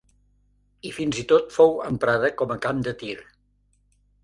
I fins i tot fou emprada com a camp de tir.